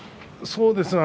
そうですね